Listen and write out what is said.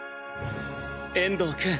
遠藤くん。